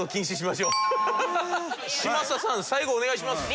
嶋佐さん最後お願いします。